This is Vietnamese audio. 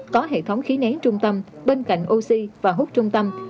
có hệ thống khí nén trung tâm bên cạnh oxy và hút trung tâm